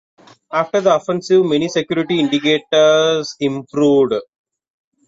After the offensive, many security indicators improved.